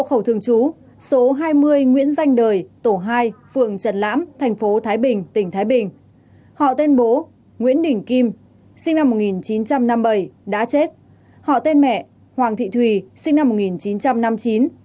họ tên bố nguyễn đình kim sinh năm một nghìn chín trăm năm mươi bảy đã chết họ tên mẹ hoàng thị thùy sinh năm một nghìn chín trăm năm mươi chín